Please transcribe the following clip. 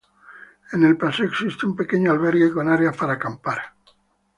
En el Paso existe un pequeño albergue con áreas para acampar.